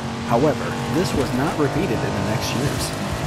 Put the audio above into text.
However, this was not repeated in the next years.